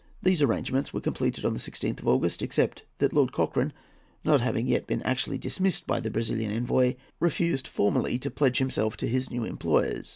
These arrangements were completed on the 16th of August, except that Lord Cochrane, not having yet been actually dismissed by the Brazilian envoy, refused formally to pledge himself to his new employers.